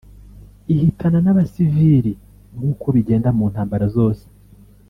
ihitana n’abasivili nk’uko bigenda mu ntambara zose